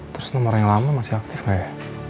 terus nomornya yang lama masih aktif gak ya